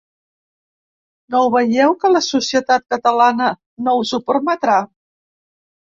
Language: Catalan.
No ho veieu, que la societat catalana no us ho permetrà?